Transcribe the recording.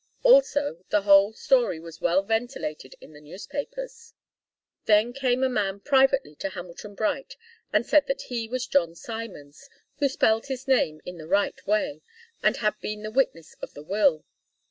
Also, the whole story was well ventilated in the newspapers. Then came a man privately to Hamilton Bright and said that he was John Simons, who spelled his name in the right way, and had been the witness of the will.